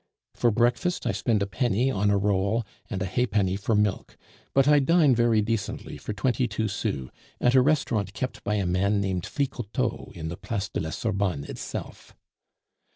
For breakfast I spend a penny on a roll and a halfpenny for milk, but I dine very decently for twenty two sous at a restaurant kept by a man named Flicoteaux in the Place de la Sorbonne itself.